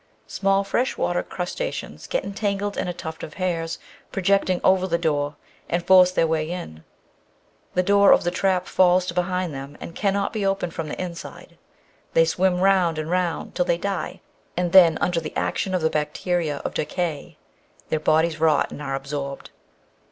Small freshwater crustaceans get entangled in a tuft of hairs projecting over the door, and force their way in. The door of the trap falls to behind them and cannot be opened from the inside; they swim round and round till they die, and then under the action of the bacteria of decay their bodies rot and are absorbed.